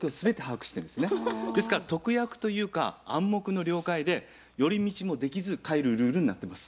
ですから特約というか暗黙の了解で寄り道もできず帰るルールになってます。